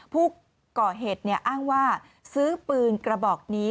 ผู้ก่อเหตุอ้างว่าซื้อปืนกระบอกนี้